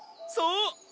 そう！